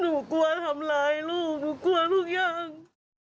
หนูกลัวทำร้ายลูกหนูกลัวทุกอย่าง